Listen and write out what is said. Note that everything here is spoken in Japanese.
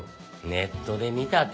ネットで見たて。